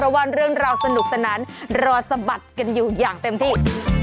เพราะว่าเรื่องราวสนุกสนานรอสะบัดกันอยู่อย่างเต็มที่